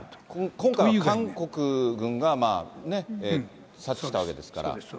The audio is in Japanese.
今回は韓国軍が察知したわけですから。